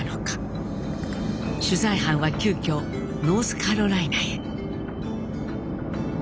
取材班は急きょノースカロライナへ。